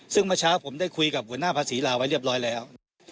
ซึ่งเมื่อเช้าผมได้คุยกับหัวหน้าภาษีลาไว้เรียบร้อยแล้ว